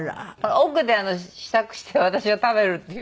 奥で支度して私が食べるっていう。